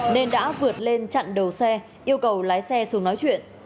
nên đã vượt lên chặn đầu xe yêu cầu lái xe xuống nói chuyện